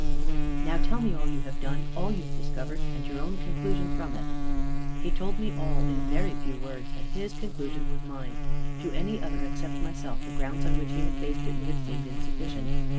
"Now tell me all you have done, all you have discovered, and your own conclusion from it." He told me all in a very few words, and his conclusion was mine. To any other except myself, the grounds on which he had based it, would have seemed insufficient.